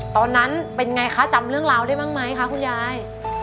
ตอนนั้นเป็นไงคะจำเรื่องราวได้บ้างไหมคะคุณยาย